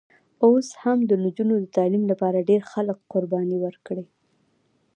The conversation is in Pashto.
اوس هم د نجونو د تعلیم لپاره ډېر خلک قربانۍ ورکړي.